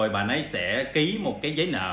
bạn ấy sẽ ký một cái giấy nợ